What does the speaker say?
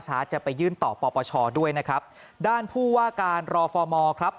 จะไปยื่นต่อปปชด้วยนะครับด้านผู้ว่าการรอฟอร์มอครับ